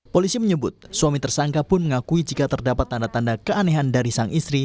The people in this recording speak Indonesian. polisi menyebut suami tersangka pun mengakui jika terdapat tanda tanda keanehan dari sang istri